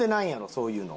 そういうの。